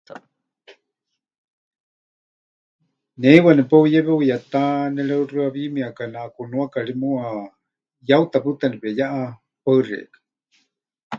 Ne heiwa nepeuyewe huyetá, nereuxɨawimieka, neʼakunuaka ri muuwa, yeuta pɨta nepeyéʼa. Paɨ paɨ xeikɨ́a.